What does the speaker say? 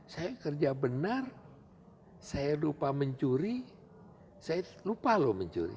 saya kerja benar saya lupa mencuri saya lupa loh mencuri